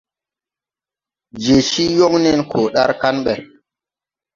Je cii yoŋ nen koo dar kaŋ ɓɛ.